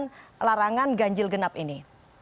di halangan ganjil genap ini